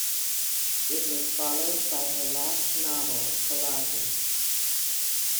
It was followed by her last novel "Collages".